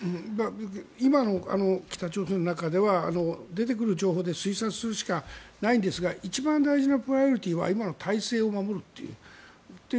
今の北朝鮮の中では出てくる情報で推察するしかないんですが一番大事なプライオリティーは今の体制を守るという。